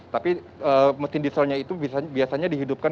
tapi mesin dieselnya itu biasanya dihidupkan